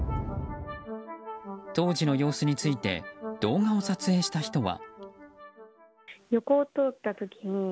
当時の様子について動画を撮影した人は。